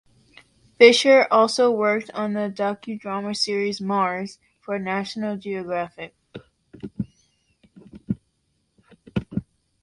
Fisher also worked on the docudrama series "Mars" for National Geographic.